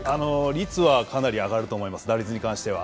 率はかなり上がると思います、打率に関しては。